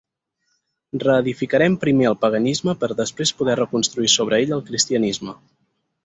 Reedificarem primer el paganisme per després poder reconstruir sobre ell el cristianisme.